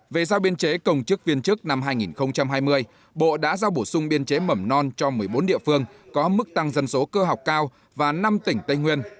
về giao biên chế công chức viên chức năm hai nghìn hai mươi bộ đã giao bổ sung biên chế mẩm non cho một mươi bốn địa phương có mức tăng dân số cơ học cao và năm tỉnh tây nguyên